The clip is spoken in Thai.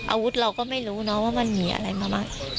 อาวุธเราก็ไม่รู้นะว่ามันหนีอะไรมาบ้าง